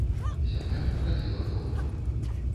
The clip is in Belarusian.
Зямля тут радзіла добра.